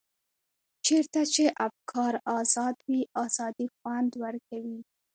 چېرته چې افکار ازاد وي ازادي خوند ورکوي.